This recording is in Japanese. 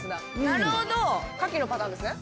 なるほど！牡蠣のパターンですね。